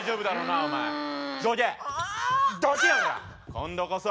今度こそ。